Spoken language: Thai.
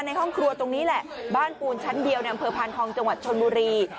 ในห้องครัวตรงนี้แหละบ้านปูนชั้นเดียวในอำเภอพานทองจังหวัดชนบุรี